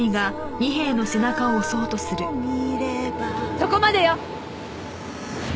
そこまでよ！